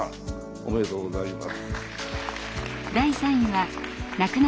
おめでとうございます。